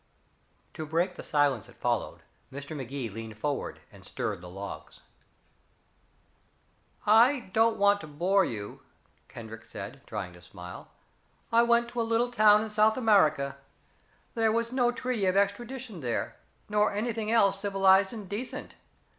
To break the silence that followed, Mr. Magee leaned forward and stirred the logs. "I don't want to bore you," Kendrick said, trying to smile. "I went to a little town in South America. There was no treaty of extradition there nor anything else civilized and decent.